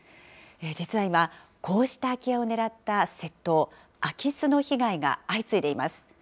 実は今、こうした空き家を狙った窃盗、空き巣の被害が相次いでいます。